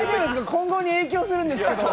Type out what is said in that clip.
今後に影響するんですけど。